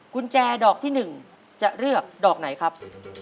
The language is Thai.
กุญแจดอกที่๑จะเลือกดอกไหนครับ